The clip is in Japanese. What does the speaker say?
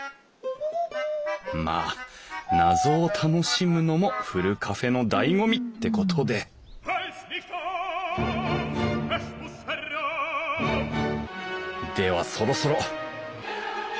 まあ謎を楽しむのもふるカフェのだいご味ってことでではそろそろ。